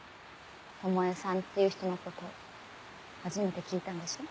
巴さんっていう人のこと初めて聞いたんでしょ？